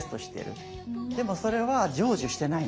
でもそれは成就してないんですよね。